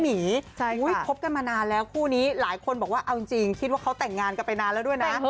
คบกันมานานแล้วคู่นี้หลายคนบอกว่าเอาจริงคิดว่าเขาแต่งงานกันไปนานแล้วด้วยนะ